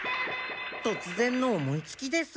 とつぜんの思いつきです。